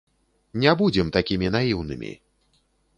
Не будзем такімі наіўнымі.